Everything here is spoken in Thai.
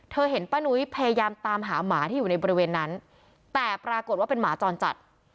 เห็นป้านุ้ยพยายามตามหาหมาที่อยู่ในบริเวณนั้นแต่ปรากฏว่าเป็นหมาจรจัด